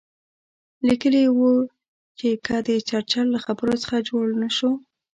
لیکلي یې وو چې که د چرچل له خبرو څه جوړ نه شو.